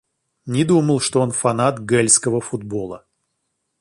Не думал, что он фанат гэльского футбола.